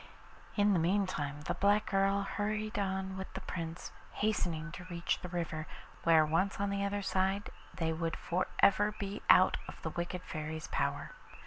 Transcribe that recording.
In the meantime the black girl hurried on with the Prince, hastening to reach the river, where once on the other side they would for ever be out of the wicked Fairy's power.